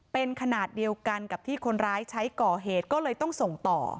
เป็นขนาดเดียวกันกับที่คนร้ายใช้ก่อเหตุก็เลยต้องส่งต่อ